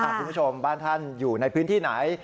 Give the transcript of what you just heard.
คุณผู้ชมบ้านท่านอยู่ในพื้นที่ไหน